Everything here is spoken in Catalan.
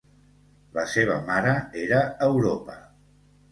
La seva mare era Europa.